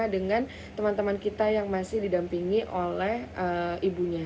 dengan teman teman kita yang masih didampingi oleh ibunya